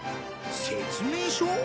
説明書？